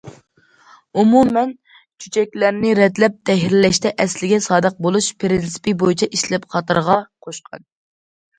ئومۇمەن چۆچەكلەرنى رەتلەپ تەھرىرلەشتە ئەسلىگە سادىق بولۇش پىرىنسىپى بويىچە ئىشلەپ قاتارغا قوشقان.